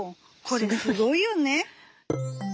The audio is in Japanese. これすごいよね。